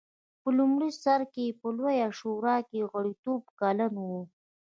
په لومړي سر کې په لویه شورا کې غړیتوب کلن و.